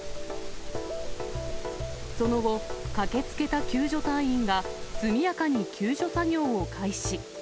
その後、駆けつけた救助隊員が、速やかに救助作業を開始。